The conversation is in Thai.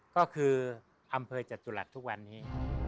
ก็คืออำเภอจตุรัสทุกวันนี้